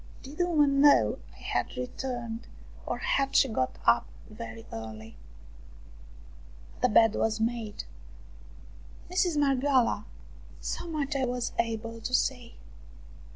Did the woman know I had returned, or had she got up very early ? The bed was made. " Mistress Marghioala !" So much I was able to say.